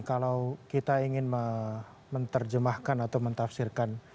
kalau kita ingin menerjemahkan atau mentafsirkan